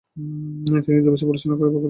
তিনি দু’বছর পড়াশোনা করেন পাকুড় স্কুলে।